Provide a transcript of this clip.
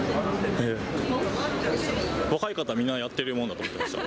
若い方は、みんなやってるもんだと思ってました。